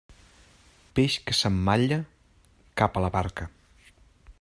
Peix que s'emmalla, cap a la barca.